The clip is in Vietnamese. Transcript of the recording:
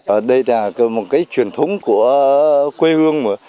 ở đây là một cái truyền thống của quê hương